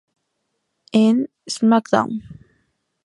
En "Smackdown!